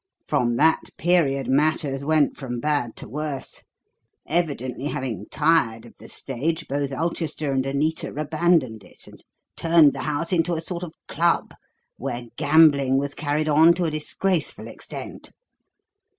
From that period matters went from bad to worse. Evidently having tired of the stage, both Ulchester and Anita abandoned it, and turned the house into a sort of club where gambling was carried on to a disgraceful extent.